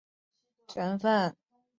铅是排气中的有害成分。